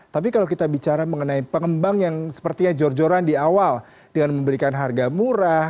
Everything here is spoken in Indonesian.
tapi kalau kita bicara mengenai pengembang yang sepertinya jor joran di awal dengan memberikan harga murah